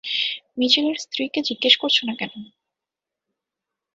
মিচেলের স্ত্রীকে জিজ্ঞেস করছ না কেন?